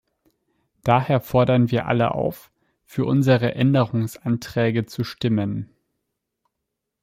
Daher fordern wir alle auf, für unsere Änderungsanträge zu stimmen.